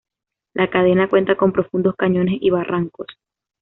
La cadena cuenta con profundos cañones y barrancos..